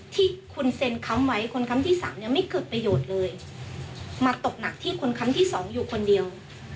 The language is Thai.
ที่คุณเซ็นค้ำไว้คนค้ำที่สามเนี่ยไม่เกิดประโยชน์เลยมาตกหนักที่คนครั้งที่สองอยู่คนเดียว